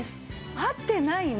合ってないね